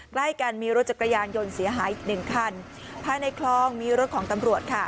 ใกล้กันมีรถจักรยานยนต์เสียหายอีกหนึ่งคันภายในคลองมีรถของตำรวจค่ะ